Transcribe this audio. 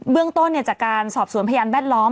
เรื่องต้นจากการสอบสวนพยานแวดล้อม